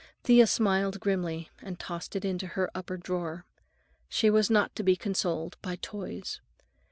Thea smiled grimly and tossed it into her upper drawer. She was not to be consoled by toys.